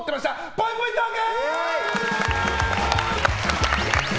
ぽいぽいトーク！